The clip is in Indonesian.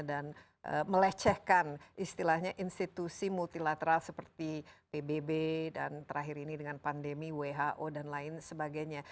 dan melecehkan istilahnya institusi multilateral seperti pbb dan terakhir ini dengan pandemi who dan lain sebagainya